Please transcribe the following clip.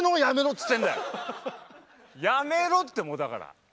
やめろってもうだから。